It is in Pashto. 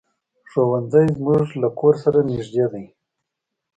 ښوونځی زمونږ له کور سره نږدې دی.